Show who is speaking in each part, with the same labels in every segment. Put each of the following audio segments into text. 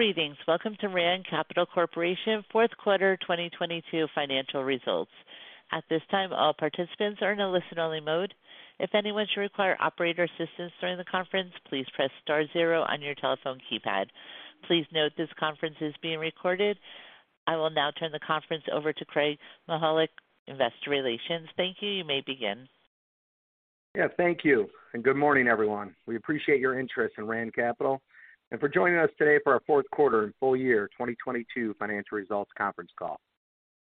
Speaker 1: Greetings. Welcome to Rand Capital Corporation fourth quarter 2022 financial results. At this time, all participants are in a listen-only mode. If anyone should require operator assistance during the conference, please press star zero on your telephone keypad. Please note this conference is being recorded. I will now turn the conference over to Craig Mychajluk, Investor Relations. Thank you. You may begin.
Speaker 2: Yeah. Thank you. Good morning, everyone. We appreciate your interest in Rand Capital and for joining us today for our fourth quarter and full year 2022 financial results conference call.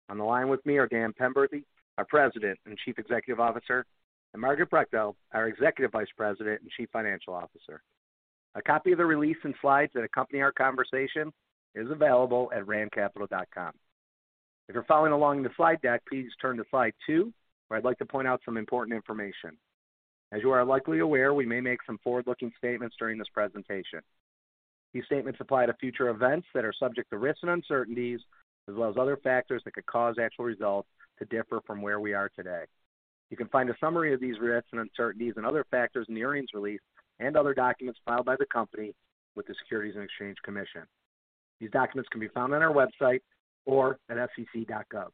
Speaker 2: On the line with me are Dan Penberthy, our President and Chief Executive Officer, and Margaret Brechtel, our Executive Vice President and Chief Financial Officer. A copy of the release and slides that accompany our conversation is available at randcapital.com. If you're following along in the slide deck, please turn to slide two where I'd like to point out some important information. As you are likely aware, we may make some forward-looking statements during this presentation. These statements apply to future events that are subject to risks and uncertainties, as well as other factors that could cause actual results to differ from where we are today. You can find a summary of these risks and uncertainties and other factors in the earnings release and other documents filed by the company with the Securities and Exchange Commission. These documents can be found on our website or at sec.gov.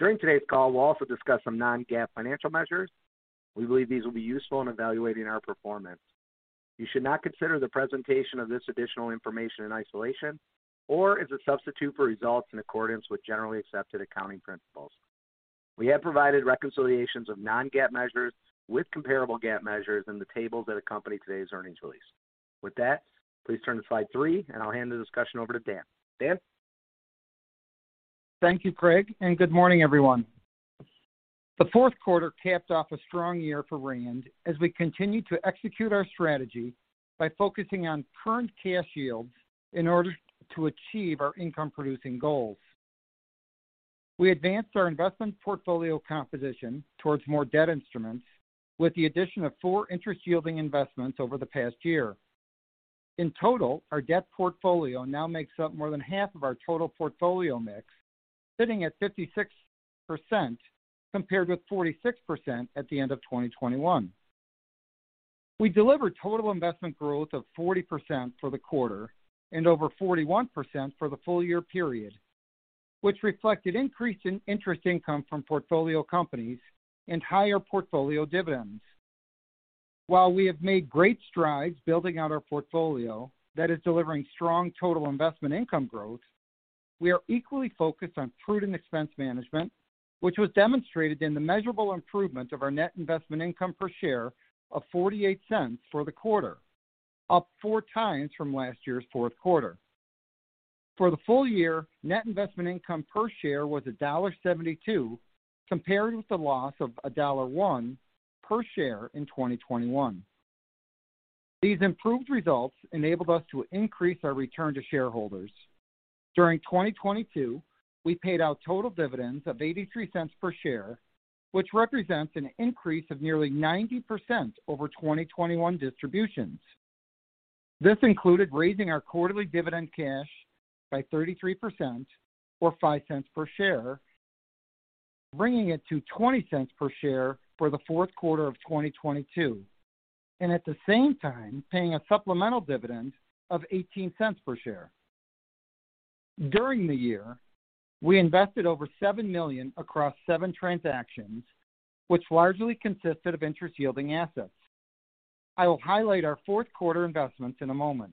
Speaker 2: During today's call, we'll also discuss some non-GAAP financial measures. We believe these will be useful in evaluating our performance. You should not consider the presentation of this additional information in isolation or as a substitute for results in accordance with generally accepted accounting principles. We have provided reconciliations of non-GAAP measures with comparable GAAP measures in the tables that accompany today's earnings release. With that, please turn to slide three, and I'll hand the discussion over to Dan. Dan?
Speaker 3: Thank you, Craig. Good morning, everyone. The fourth quarter capped off a strong year for RAND as we continued to execute our strategy by focusing on current cash yields in order to achieve our income-producing goals. We advanced our investment portfolio composition towards more debt instruments with the addition of four interest-yielding investments over the past year. In total, our debt portfolio now makes up more than half of our total portfolio mix, sitting at 56% compared with 46% at the end of 2021. We delivered total investment growth of 40% for the quarter and over 41% for the full year period, which reflected increase in interest income from portfolio companies and higher portfolio dividends. While we have made great strides building out our portfolio that is delivering strong total investment income growth, we are equally focused on prudent expense management, which was demonstrated in the measurable improvement of our net investment income per share of $0.48 for the quarter, up 4x from last year's fourth quarter. For the full year, net investment income per share was $1.72, comparing with the loss of $1.01 per share in 2021. These improved results enabled us to increase our return to shareholders. During 2022, we paid out total dividends of $0.83 per share, which represents an increase of nearly 90% over 2021 distributions. This included raising our quarterly dividend cash by 33% or $0.05 per share, bringing it to $0.20 per share for the fourth quarter of 2022. At the same time paying a supplemental dividend of $0.18 per share. During the year, we invested over $7 million across seven transactions, which largely consisted of interest-yielding assets. I will highlight our fourth quarter investments in a moment.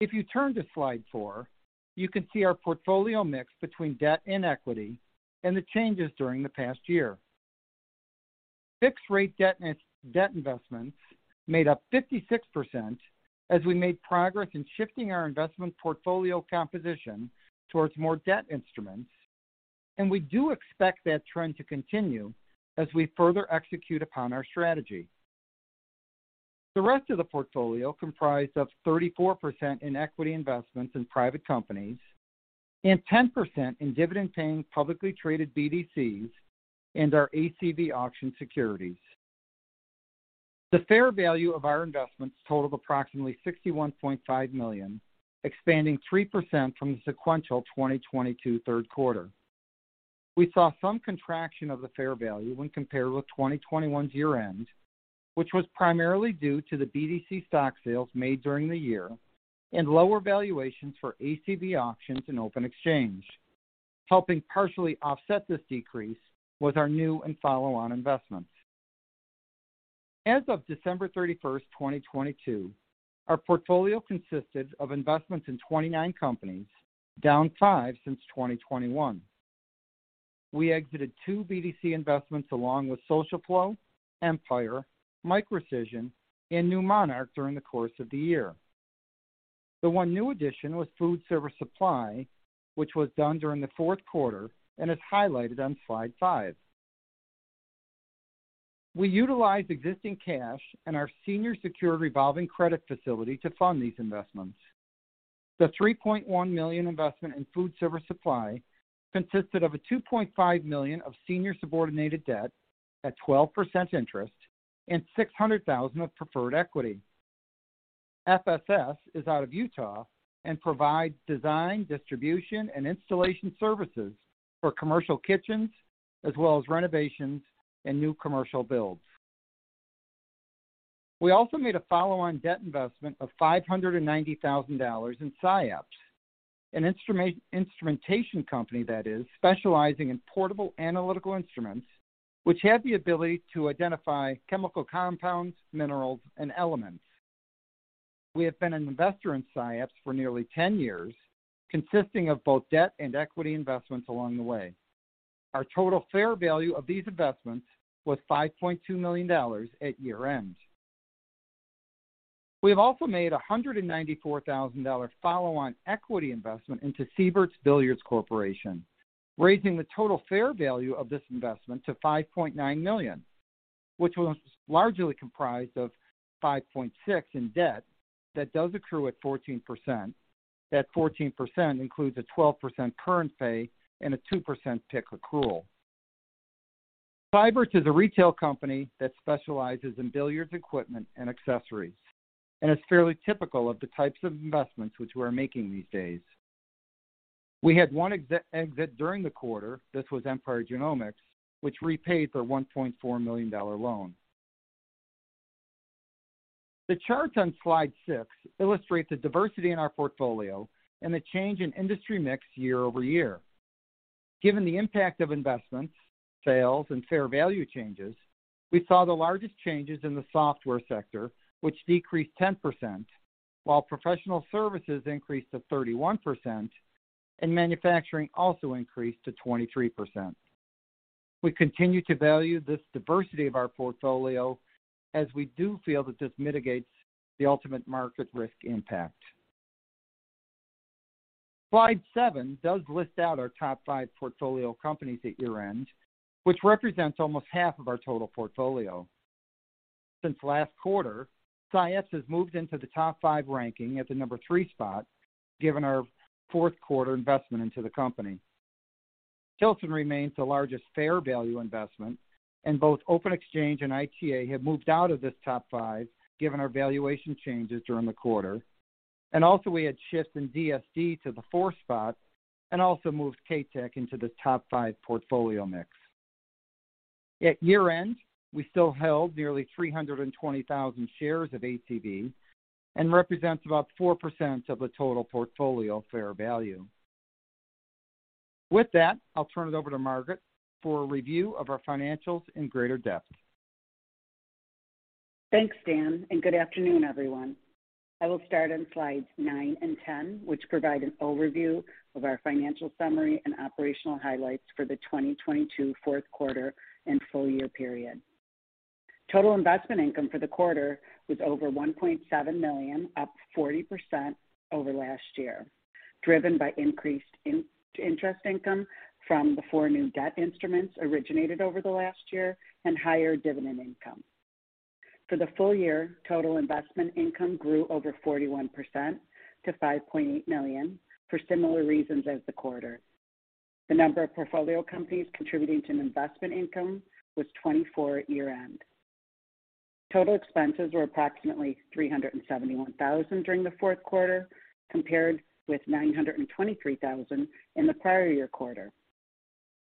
Speaker 3: If you turn to slide four, you can see our portfolio mix between debt and equity and the changes during the past year. Fixed rate debt investments made up 56% as we made progress in shifting our investment portfolio composition towards more debt instruments. We do expect that trend to continue as we further execute upon our strategy. The rest of the portfolio comprised of 34% in equity investments in private companies and 10% in dividend-paying publicly traded BDCs and our ACV auction securities. The fair value of our investments totaled approximately $61.5 million, expanding 3% from the sequential 2022 third quarter. We saw some contraction of the fair value when compared with 2021's year-end, which was primarily due to the BDC stock sales made during the year and lower valuations for ACV Auctions and OpenExchange. Helping partially offset this decrease was our new and follow-on investments. As of December 31st, 2022, our portfolio consisted of investments in 29 companies, down five since 2021. We exited two BDC investments, along with SocialFlow, Empire, Microcision, and New Monarch during the course of the year. The one new addition was Food Service Supply, which was done during the fourth quarter and is highlighted on slide five. We utilized existing cash and our senior secured revolving credit facility to fund these investments. The $3.1 million investment in Food Service Supply consisted of a $2.5 million of senior subordinated debt at 12% interest and $600,000 of preferred equity. FSS is out of Utah and provides design, distribution, and installation services for commercial kitchens as well as renovations and new commercial builds. We also made a follow-on debt investment of $590,000 in SciAps, an instrumentation company that is specializing in portable analytical instruments, which have the ability to identify chemical compounds, minerals, and elements. We have been an investor in SciAps for nearly 10 years, consisting of both debt and equity investments along the way. Our total fair value of these investments was $5.2 million at year-end. We have also made a $194,000 follow on equity investment into Seybert's Billiards Corporation, raising the total fair value of this investment to $5.9 million, which was largely comprised of $5.6 in debt that does accrue at 14%. That 14% includes a 12% current pay and a 2% PIK accrual. Seybert's is a retail company that specializes in billiards equipment and accessories, and it's fairly typical of the types of investments which we are making these days. We had one exit during the quarter. This was Empire Genomics, which repaid their $1.4 million loan. The chart on slide 6 illustrates the diversity in our portfolio and the change in industry mix year-over-year. Given the impact of investments, sales, and fair value changes, we saw the largest changes in the software sector, which decreased 10%, while professional services increased to 31%, and manufacturing also increased to 23%. We continue to value this diversity of our portfolio as we do feel that this mitigates the ultimate market risk impact. Slide seven does list out our top five portfolio companies at year-end, which represents almost half of our total portfolio. Since last quarter, SciAps has moved into the top five ranking at the number three spot, given our fourth quarter investment into the company. Tilson remains the largest fair value investment, and both OpenExchange and ITA have moved out of this top five, given our valuation changes during the quarter. Also we had shifts in DSD to the four spot and also moved Caitec into the top five portfolio mix. At year-end, we still held nearly 320,000 shares of ACV, and represents about 4% of the total portfolio fair value. With that, I'll turn it over to Margaret for a review of our financials in greater depth.
Speaker 4: Thanks, Dan. Good afternoon, everyone. I will start on slides nine and 10, which provide an overview of our financial summary and operational highlights for the 2022 fourth quarter and full year period. Total investment income for the quarter was over $1.7 million, up 40% over last year, driven by increased interest income from the four new debt instruments originated over the last year and higher dividend income. For the full year, total investment income grew over 41% to $5.8 million for similar reasons as the quarter. The number of portfolio companies contributing to investment income was 24 year-end. Total expenses were approximately $371,000 during the fourth quarter, compared with $923,000 in the prior year quarter.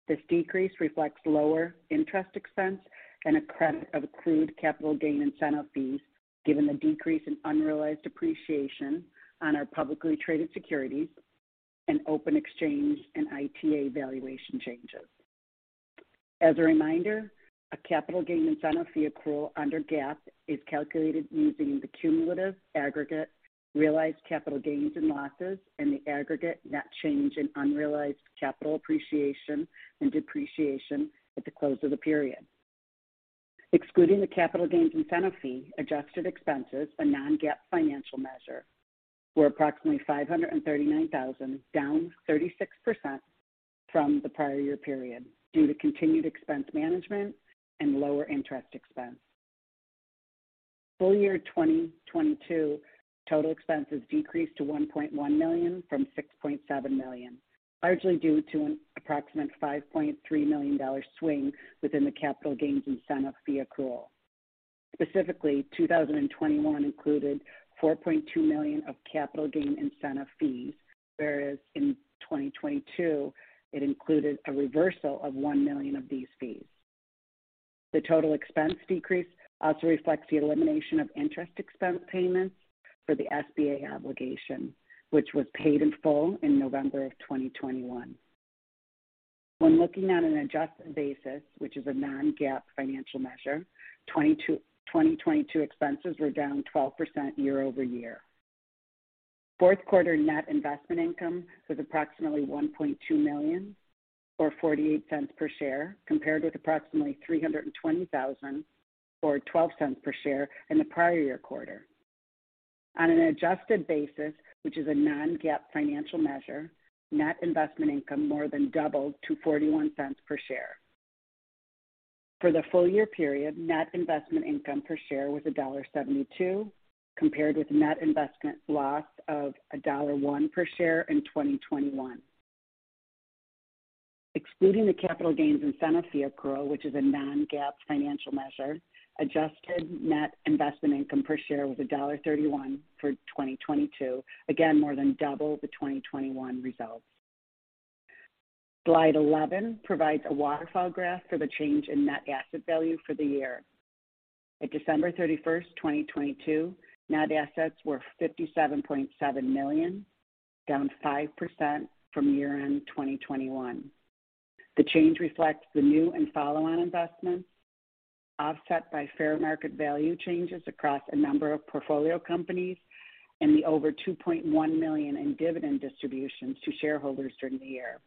Speaker 4: This decrease reflects lower interest expense and a credit of accrued capital gains incentive fees given the decrease in unrealized appreciation on our publicly traded securities and OpenExchange and ITA valuation changes. As a reminder, a capital gains incentive fee accrual under GAAP is calculated using the cumulative aggregate realized capital gains and losses and the aggregate net change in unrealized capital appreciation and depreciation at the close of the period. Excluding the capital gains incentive fee, adjusted expenses, a non-GAAP financial measure, were approximately $539,000, down 36% from the prior year period due to continued expense management and lower interest expense. Full year 2022, total expenses decreased to $1.1 million from $6.7 million, largely due to an approximate $5.3 million swing within the capital gains incentive fee accrual. Specifically, 2021 included $4.2 million of capital gains incentive fees, whereas in 2022, it included a reversal of $1 million of these fees. The total expense decrease also reflects the elimination of interest expense payments for the SBA obligation, which was paid in full in November of 2021. When looking at an adjusted basis, which is a non-GAAP financial measure, 2022 expenses were down 12% year-over-year. Fourth quarter net investment income was approximately $1.2 million, or $0.48 per share, compared with approximately $320,000 or $0.12 per share in the prior year quarter. On an adjusted basis, which is a non-GAAP financial measure, net investment income more than doubled to $0.41 per share. For the full year period, net investment income per share was $1.72, compared with net investment loss of $1.01 per share in 2021. Excluding the capital gains incentive fee accrual, which is a non-GAAP financial measure, adjusted net investment income per share was $1.31 for 2022. Again, more than double the 2021 results. Slide 11 provides a waterfall graph for the change in net asset value for the year. At December 31st, 2022, net assets were $57.7 million, down 5% from year-end 2021. The change reflects the new and follow-on investments, offset by fair market value changes across a number of portfolio companies and the over $2.1 million in dividend distributions to shareholders during the year.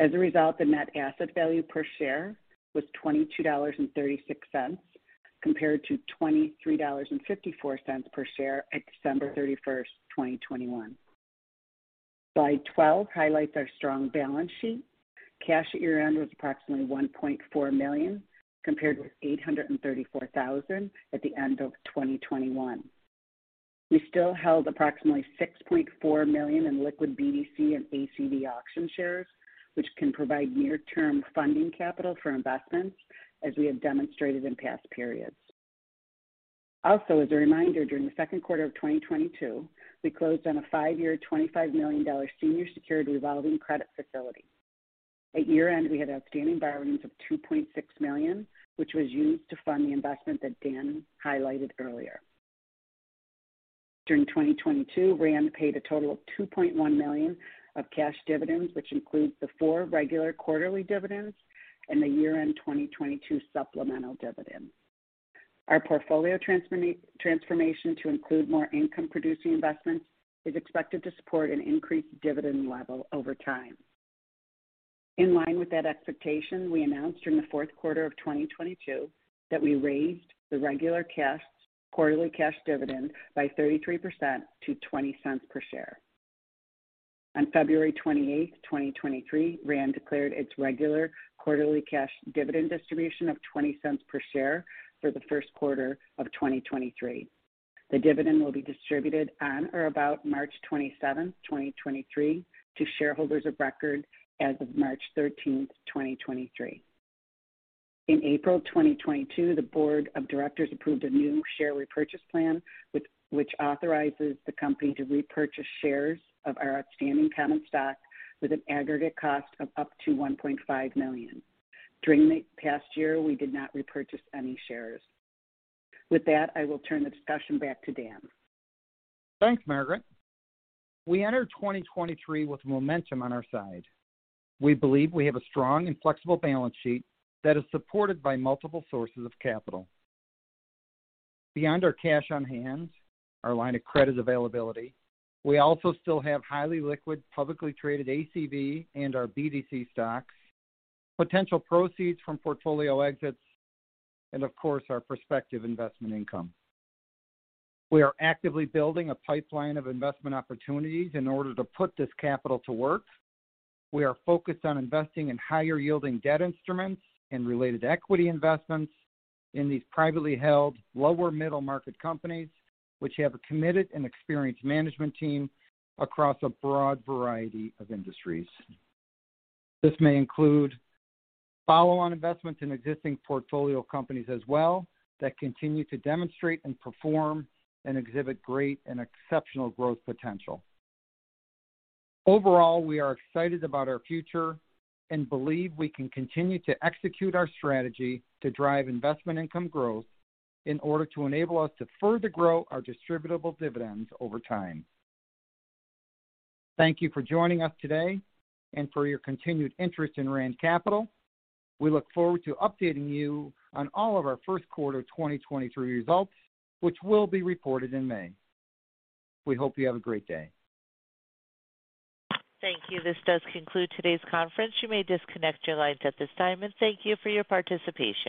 Speaker 4: As a result, the net asset value per share was $22.36 compared to $23.54 per share at December 31st, 2021. Slide 12 highlights our strong balance sheet. Cash at year-end was approximately $1.4 million, compared with $834,000 at the end of 2021. We still held approximately $6.4 million in liquid BDC and ACV Auctions shares, which can provide near-term funding capital for investments, as we have demonstrated in past periods. Also, as a reminder, during the second quarter of 2022, we closed on a 5-year, $25 million senior secured revolving credit facility. At year-end, we had outstanding borrowings of $2.6 million, which was used to fund the investment that Dan highlighted earlier. During 2022, RAND paid a total of $2.1 million of cash dividends, which includes the four regular quarterly dividends and the year-end 2022 supplemental dividend. Our portfolio transformation to include more income-producing investments is expected to support an increased dividend level over time. In line with that expectation, we announced during the fourth quarter of 2022 that we raised the quarterly cash dividend by 33% to $0.20 per share. On February 28th, 2023, RAND declared its regular quarterly cash dividend distribution of $0.20 per share for the first quarter of 2023. The dividend will be distributed on or about March 27th, 2023, to shareholders of record as of March 13th, 2023.. In April 2022, the board of directors approved a new share repurchase plan which authorizes the company to repurchase shares of our outstanding common stock with an aggregate cost of up to $1.5 million. During the past year, we did not repurchase any shares. With that, I will turn the discussion back to Dan.
Speaker 3: Thanks, Margaret. We enter 2023 with momentum on our side. We believe we have a strong and flexible balance sheet that is supported by multiple sources of capital. Beyond our cash on hand, our line of credit availability, we also still have highly liquid, publicly traded ACV and our BDC stocks, potential proceeds from portfolio exits, and of course, our prospective investment income. We are actively building a pipeline of investment opportunities in order to put this capital to work. We are focused on investing in higher-yielding debt instruments and related equity investments in these privately held, lower middle market companies which have a committed and experienced management team across a broad variety of industries. This may include follow-on investments in existing portfolio companies as well that continue to demonstrate and perform and exhibit great and exceptional growth potential. Overall, we are excited about our future and believe we can continue to execute our strategy to drive investment income growth in order to enable us to further grow our distributable dividends over time. Thank you for joining us today and for your continued interest in Rand Capital. We look forward to updating you on all of our first quarter 2023 results, which will be reported in May. We hope you have a great day.
Speaker 1: Thank you. This does conclude today's conference. You may disconnect your lines at this time. Thank you for your participation.